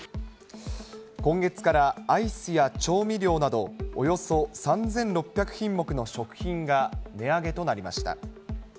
今月からアイスや調味料など、およそ３６００品目の食品が値上げとなりました。